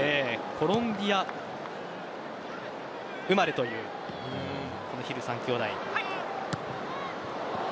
コロンビア生まれというヒル三兄弟。